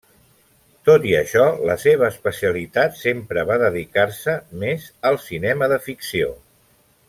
Tot i això, la seva especialitat sempre va dedicar-se més al cinema de ficció.